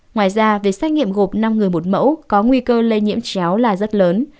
ngoài ra việc xét nghiệm gộp năm người một mẫu có nguy cơ lây nhiễm chéo là rất lớn